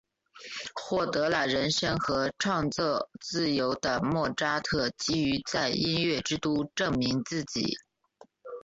获得了人生和创作自由的莫扎特急于在音乐之都证明自己。